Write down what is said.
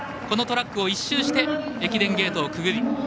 このトラックを１周して駅伝ゲートをくぐり